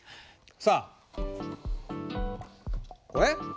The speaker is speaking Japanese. さあこれね。